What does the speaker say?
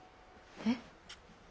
えっ？